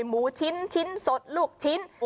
หมูชิ้นชิ้นสดลูกชิ้น